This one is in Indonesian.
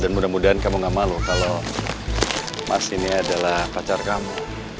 dan mudah mudahan kamu nggak malu kalau mas ini adalah pacar kamu